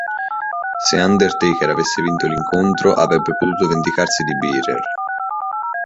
Se Undertaker avesse vinto l'incontro, avrebbe potuto vendicarsi di Bearer.